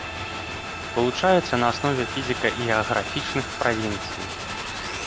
Вылучаюцца на аснове фізіка-геаграфічных правінцый.